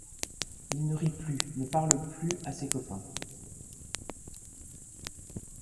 Il ne rit plus, ne parle plus à ses copains.